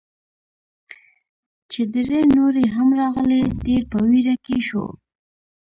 چې درې نورې هم راغلې، ډېر په ویره کې شوو.